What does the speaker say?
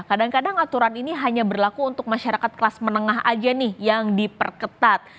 kadang kadang aturan ini hanya berlaku untuk masyarakat kelas menengah aja nih yang diperketat